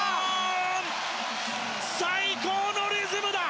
最高のリズムだ！